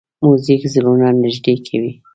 موزیک زړونه نږدې کوي.